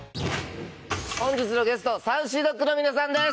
本日のゲストＳａｕｃｙＤｏｇの皆さんです！